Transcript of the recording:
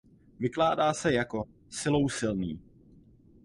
Vykládá se jako „silou silný“.